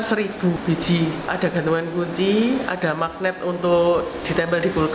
sampai hari ini sekitar seribu biji ada gantungan kunci ada magnet untuk ditempel di pulau ini